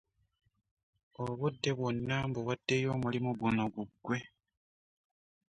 Obudde bwonna mbuwaddeyo omulimu guno guggwe.